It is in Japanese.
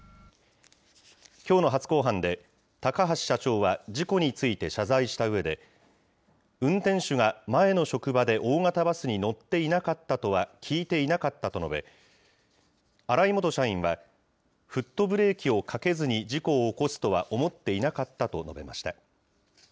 きょうの初公判で、高橋社長は事故について謝罪したうえで、運転手が前の職場で大型バスに乗っていなかったとは聞いていなかったと述べ、荒井元社員は、フットブレーキをかけずに事故を起こすとは思っていなかったと述べました。